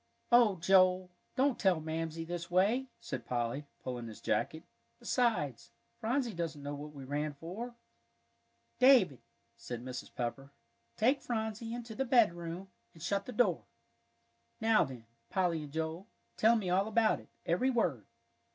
"Oh, Joel, don't tell Mamsie this way," said Polly, pulling his jacket. "Besides, Phronsie doesn't know what we ran for." "David," said Mrs. Pepper, "take Phronsie into the bedroom and shut the door. Now then, Polly and Joel, tell me all about it, every word."